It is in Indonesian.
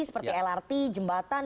seperti lrt jembatan